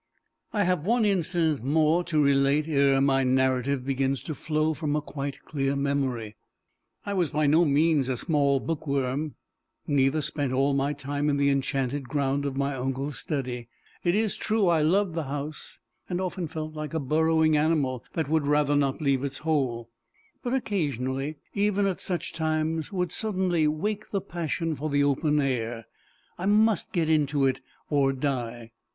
I have one incident more to relate ere my narrative begins to flow from a quite clear memory. I was by no means a small bookworm, neither spent all my time in the enchanted ground of my uncle's study. It is true I loved the house, and often felt like a burrowing animal that would rather not leave its hole; but occasionally even at such times would suddenly wake the passion for the open air: I must get into it or die!